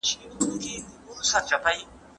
زه ددرملو جوړونه خوښوم